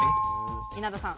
稲田さん。